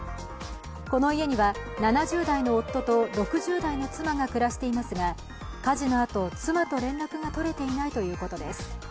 この家には７０代の夫と６０代の妻が暮らしていますが火事のあと、妻と連絡が取れていないということです。